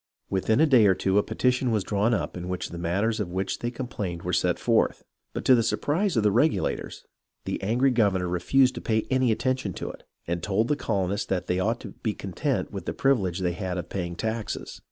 Within a day or two a petition was drawn up in which the matters of which they complained were set forth ; but to the surprise of the Regulators, the angry governor re fused to pay any attention to it, and told the colonists that they ought to be content with the privilege they had of paying taxes.